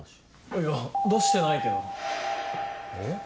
いや出してないけどえっ？